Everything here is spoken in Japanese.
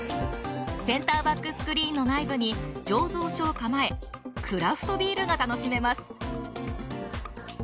センターバックスクリーンの内部に醸造所を構え、クラフトビールが楽しめます。